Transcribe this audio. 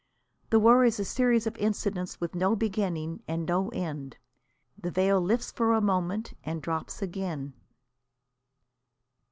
The war is a series of incidents with no beginning and no end. The veil lifts for a moment and drops again.